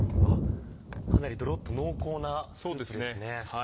かなりドロっと濃厚なスープですね。